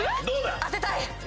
当てたい！